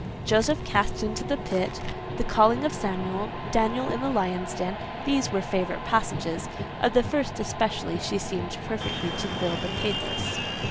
Joseph cast into the pit; the calling of Samuel; Daniel in the lions' den;—these were favourite passages: of the first especially she seemed perfectly to feel the pathos.